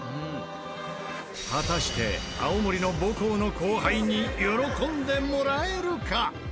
果たして青森の母校の後輩に喜んでもらえるか？